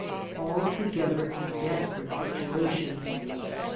Altogether a desperate situation.